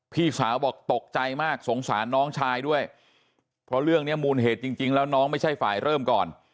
พี่สาวบอกตกใจมากสงสารน้องชายด้วยเพราะเรื่องนี้มูลเหตุจริงแล้วน้องไม่ใช่ฝ่ายเริ่มก่อน